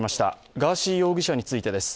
ガーシー容疑者についてです。